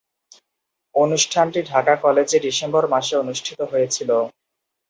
অনুষ্ঠানটি ঢাকা কলেজে ডিসেম্বর মাসে অনুষ্ঠিত হয়েছিলো।